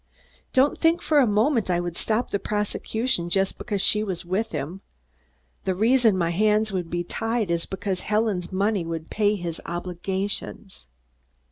"Don't think for a moment I would stop the prosecution just because she was with him. The reason my hands would be tied is because Helen's money would pay his obligations."